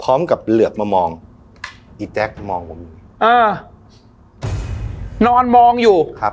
เหลือบมามองอีแจ๊คมองผมอ่านอนมองอยู่ครับ